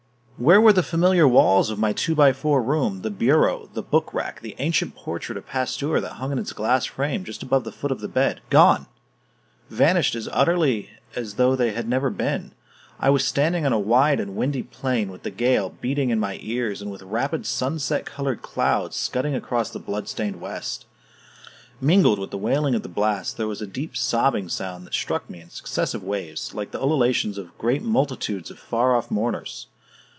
Where were the familiar walls of my two by four room, the bureau, the book rack, the ancient portrait of Pasteur that hung in its glass frame just above the foot of the bed? Gone! vanished as utterly as though they had never been! I was standing on a wide and windy plain, with the gale beating in my ears, and with rapid sunset colored clouds scudding across the blood stained west. Mingled with the wailing of the blast, there was a deep sobbing sound that struck me in successive waves, like the ululations of great multitudes of far off mourners.